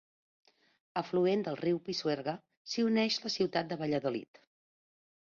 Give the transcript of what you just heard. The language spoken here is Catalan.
Afluent del riu Pisuerga, s'hi uneix a la ciutat de Valladolid.